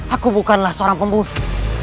aku bukanlah seorang pembunuh